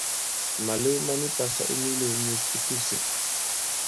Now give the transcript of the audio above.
Màlew ma ni pasa i mīlēw myes i kisèp.